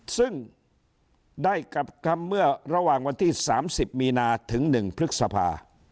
ซึ่งได้กลับคำเมื่อระหว่างวันที่๓๐มีนาถึง๑พฤษภา